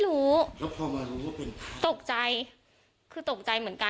แล้วทีนี้พอคุยมา